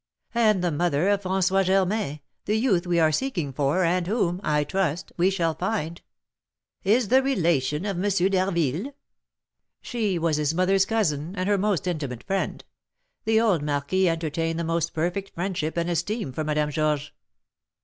"And the mother of François Germain, the youth we are seeking for, and whom, I trust, we shall find." "Is the relation of M. d'Harville?" "She was his mother's cousin, and her most intimate friend; the old marquis entertained the most perfect friendship and esteem for Madame Georges."